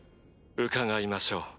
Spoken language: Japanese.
伺いましょう。